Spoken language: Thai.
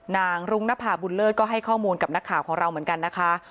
รุ้งนภาบุญเลิศก็ให้ข้อมูลกับนักข่าวของเราเหมือนกันนะคะ